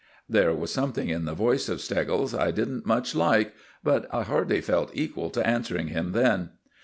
There was something in the voice of Steggles I didn't much like, but I hardly felt equal to answering him then.